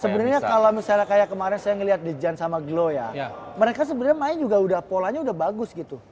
sebenarnya kalau misalnya kayak kemarin saya ngeliat the john sama glo ya mereka sebenarnya main juga udah polanya udah bagus gitu